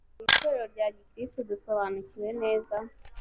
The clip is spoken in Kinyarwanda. mu itorero rya gikristo dusobanukiwe neza